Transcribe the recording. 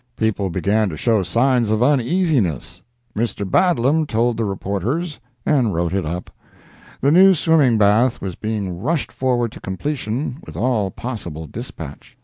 People began to show signs of uneasiness. Mr. Badlam told the reporters and wrote it up. The new swimming bath was being rushed forward to completion with all possible dispatch.